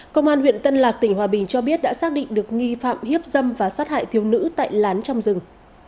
công an huyện tân lạc tỉnh hòa bình cho biết đã xác định được nghi phạm hiếp dâm và sát hại thiếu nữ tại lán trong rừng